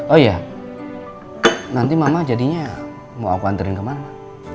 oh iya nanti mama jadinya mau aku anterin kemana